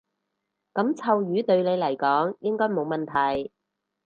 噉臭魚對你嚟講應該冇問題